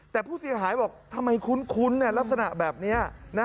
แต่ผู้เสียหายบอกทำไมคุ้นลักษณะแบบนี้นะ